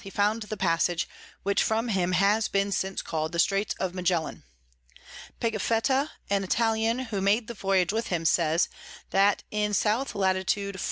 he found the Passage, which from him has been since call'd the Straits of Magellan. Pigafetta an Italian, who made the Voyage with him, says that in S. Lat. 49 1/2.